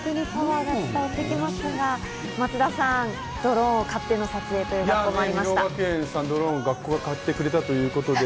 パワーが伝わってきますが、松田さん、ドローン買っての撮影ということで。